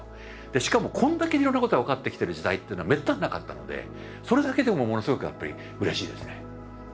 しかもこんだけいろんなことが分かってきてる時代っていうのはめったになかったのでそれだけでもものすごくやっぱりうれしいですね。